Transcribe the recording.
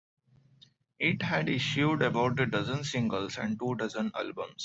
It had issued about a dozen singles and two dozen albums.